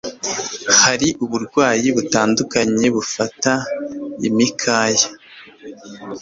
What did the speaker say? Hari uburwayi butandukanye bufata imikaya